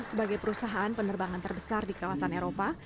sebagai perusahaan penerbangan terbesar di kawasan eropa